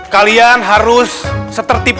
kalian harus setertipu